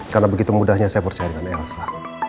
karena begitu mudahnya saya percaya dengan elsa